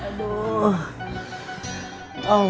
nah di sini umi